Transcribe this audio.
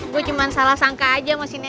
gue cuma salah sangka aja sama si nenek